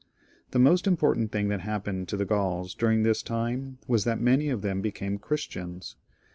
The most important thing that happened to the Gauls dur ing this time was that many of them became Christians.